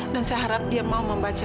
dan saya hatap dia ingin membaca